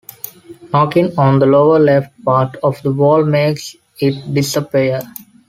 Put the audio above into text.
Knocking on the lower left part of the wall makes it disappear.